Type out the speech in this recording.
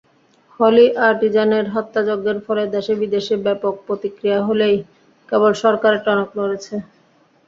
হলি আর্টিজানের হত্যাযজ্ঞের ফলে দেশে-বিদেশে ব্যাপক প্রতিক্রিয়া হলেই কেবল সরকারের টনক নড়েছে।